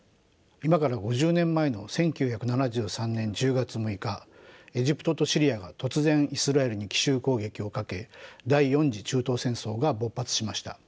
今から５０年前の１９７３年１０月６日エジプトとシリアが突然イスラエルに奇襲攻撃をかけ第４次中東戦争が勃発しました。